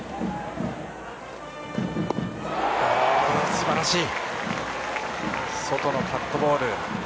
すばらしい外のカットボール。